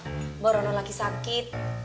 ini buat bau rono lagi sampean